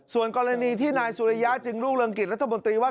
ส่วนกรณีที่นายสุริยะจึงรุ่งเรืองกิจรัฐมนตรีว่า